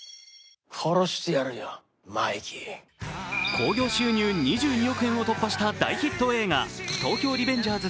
興行収入２２億円を突破した大ヒット映画「東京リベンジャーズ